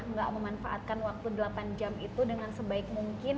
nggak memanfaatkan waktu delapan jam itu dengan sebaik mungkin